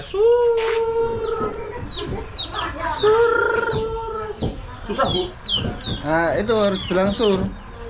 susah itu harus langsung